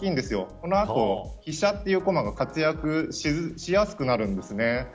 この後、飛車という駒が活躍しやすくなるんですね。